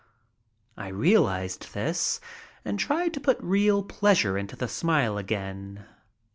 I realized this and tried to put real pleasure into the smile again.